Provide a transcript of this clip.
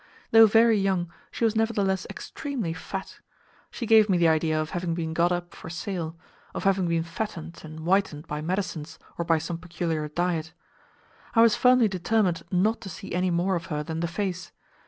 Though very young, she was nevertheless extremely fat. She gave me the idea of having been got up for sale, of having been fattened and whitened by medicines or by some peculiar diet. I was firmly determined not to see any more of her than the face.